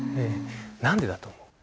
何でだと思う？